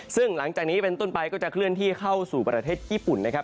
ซึ่งหลังจากนี้เป็นต้นไปก็จะเคลื่อนที่เข้าสู่ประเทศญี่ปุ่นนะครับ